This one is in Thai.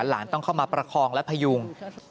หลานต้องเข้ามาประคองและพยุง